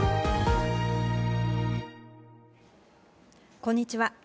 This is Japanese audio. こんにちは。